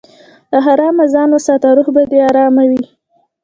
له حرامه ځان وساته، روح به دې ارام وي.